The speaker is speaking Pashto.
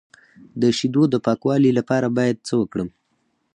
د شیدو د پاکوالي لپاره باید څه وکړم؟